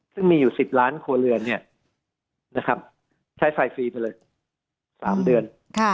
ซึ่งมีอยู่๑๐ล้านโครเรือนเนี่ยนะครับใช้ไฟฟรีไปเลย๓เดือน